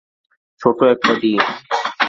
ছোট একটা টিম।